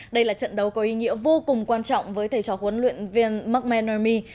đây là trận đấu có ý nghĩa vô cùng quan trọng với thầy trò huấn luyện viên mcmahon nermi